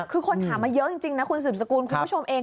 คือคนถามมาเยอะจริงนะคุณสืบสกุลคุณผู้ชมเอง